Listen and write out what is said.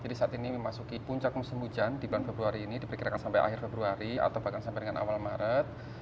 jadi saat ini memasuki puncak musim hujan di bulan februari ini diperkirakan sampai akhir februari atau bahkan sampai bulan maret